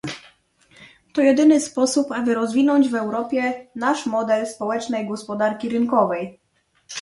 To jedyny sposób, aby rozwinąć w Europie nasz model społecznej gospodarki rynkowej